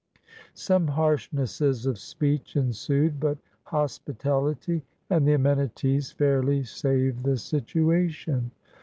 Some harshnesses of speech ensued, but hospitality and the amenities fairly saved the situation.